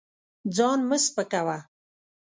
ځان مه سپکوه.